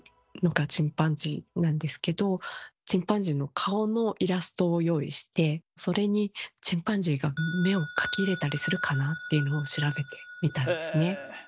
チンパンジーの顔のイラストを用意してそれにチンパンジーが目を描き入れたりするかなっていうのを調べてみたんですね。